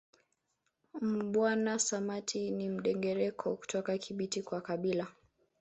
Mbwana Samatta ni Mndengereko kutoka Kibiti kwa kabila